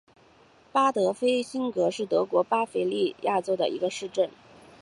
巴德菲辛格是德国巴伐利亚州的一个市镇。